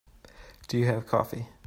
Do you have coffee?